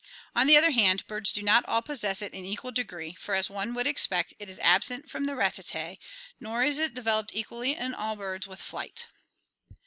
On the other hand, birds do not all possess it in equal degree for, as one would expect, it is absent from the Ratitae, nor is it developed equally in all birds with flight.